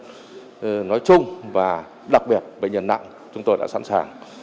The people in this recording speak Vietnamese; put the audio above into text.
bệnh nhân nói chung và đặc biệt bệnh nhân nặng chúng tôi đã sẵn sàng